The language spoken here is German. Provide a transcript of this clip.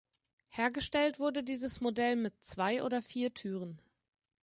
Hergestellt wurde dieses Modell mit zwei oder vier Türen.